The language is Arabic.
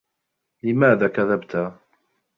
لِماذا كَذَبْتَ؟